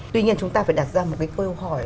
tuy nhiên chúng ta phải đặt ra một cái câu hỏi